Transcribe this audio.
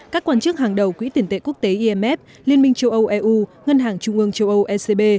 các quan chức hàng đầu quỹ tiền tệ quốc tế imf liên minh châu âu eu ngân hàng trung ương châu âu ecb